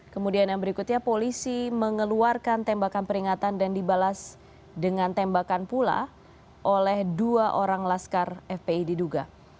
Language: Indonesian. kemudian yang berikutnya polisi mengeluarkan tembakan peringatan dan dibalas dengan tembakan pula oleh dua orang laskar fpi diduga